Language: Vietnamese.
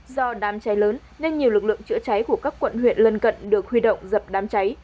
do đám cháy lớn nên nhiều lực lượng chữa cháy của các quận huyện lân cận được huy động dập đám cháy